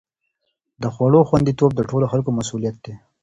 د خوړو خوندي توب د ټولو خلکو مسؤلیت دی.